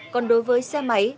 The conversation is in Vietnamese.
còn đối với xe máy